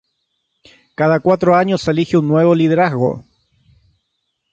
Cada cuatro años se elige un nuevo liderazgo.